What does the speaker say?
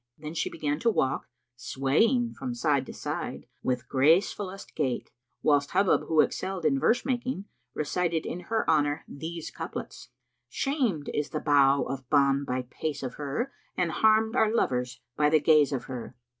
Then she began to walk, swaying from side to side with gracefullest gait, whilst Hubub who excelled in verse making, recited in her honour these couplets, "Shamed is the bough of Bán by pace of her; * And harmed are lovers by the gaze of her.